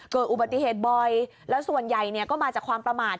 เกิดอุบัติเหตุบ่อยแล้วส่วนใหญ่เนี่ยก็มาจากความประมาท